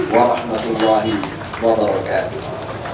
wa rahmatullahi wa barakatuh